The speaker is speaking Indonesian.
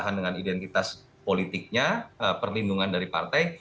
dengan identitas politiknya perlindungan dari partai